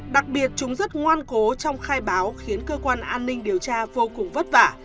đặc biệt chúng rất ngoan cố trong khai báo khiến cơ quan an ninh điều tra vô cùng vất vả